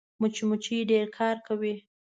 مچمچۍ ډېر کار کوي